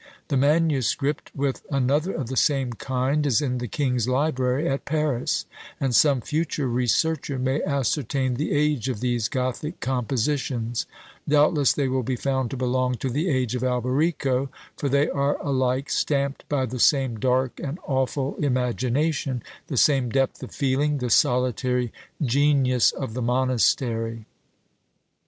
The manuscript, with another of the same kind, is in the King's library at Paris, and some future researcher may ascertain the age of these Gothic compositions; doubtless they will be found to belong to the age of Alberico, for they are alike stamped by the same dark and awful imagination, the same depth of feeling, the solitary genius of the monastery!